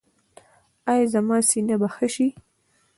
ایا زما سینه به ښه شي؟